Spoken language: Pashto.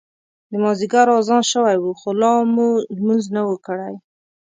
د مازیګر اذان شوی و خو لا مو لمونځ نه و کړی.